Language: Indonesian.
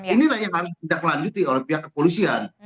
ini yang harus kita lanjuti oleh pihak kepolisian